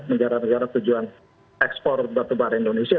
negara negara tujuan ekspor batubara indonesia